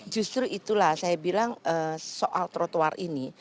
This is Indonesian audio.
justru itulah saya bilang soal trotoar ini